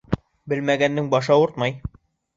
Белмәгәндең башы ауыртмай.